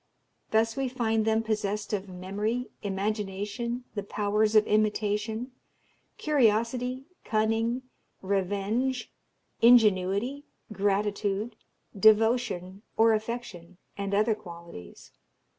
Thus we find them possessed of memory, imagination, the powers of imitation, curiosity, cunning, revenge, ingenuity, gratitude, devotion, or affection, and other qualities.